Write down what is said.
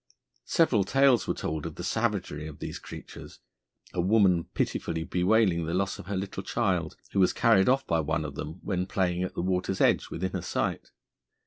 Several tales were told of the savagery of these creatures, a woman pitifully bewailing the loss of her little child, who was carried off by one of them when playing at the water's edge within her sight.